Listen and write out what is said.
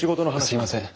すいません。